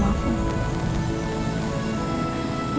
kamu gak percaya sama aku